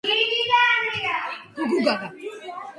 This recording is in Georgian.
მისი მამა, ჰენრი სტოპსი, იყო ინჟინერი, არქიტექტორი და პალეონტოლოგი.